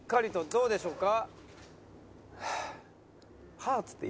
どうでしょうか？